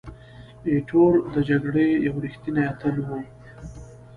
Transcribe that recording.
ایټور د جګړې یو ریښتینی اتل وو.